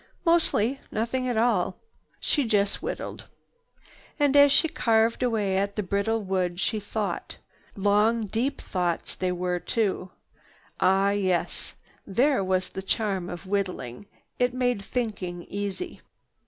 Mostly nothing at all. She just whittled. And as she carved away at the brittle wood, she thought. Long, deep thoughts they were too. Ah yes, there was the charm of whittling—it made thinking easy.